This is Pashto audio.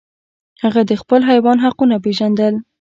هغه د خپل حیوان حقونه پیژندل.